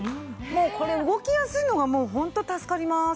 もうこれ動きやすいのがもうホント助かります。